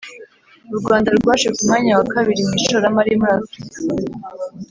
u Rwanda rwaje ku mwanya wa kabiri mu ishoramari muri afurika